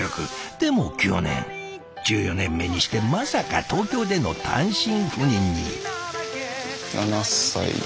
でも去年１４年目にしてまさか東京での単身赴任に。